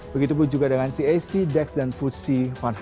begitu pun juga dengan cac dex dan fuji seratus